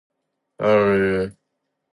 中文维基百科遭到防火长城封锁。